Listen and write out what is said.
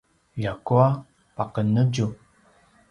ljakua paqenetju